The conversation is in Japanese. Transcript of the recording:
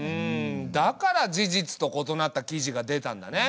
だから事実と異なった記事が出たんだね。